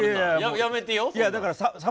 やめてよ